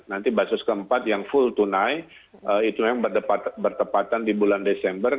nanti basus keempat yang full tunai itu yang bertepatan di bulan desember